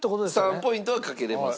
３ポイントはかけれます。